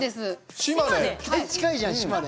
絶対近いじゃん、島根。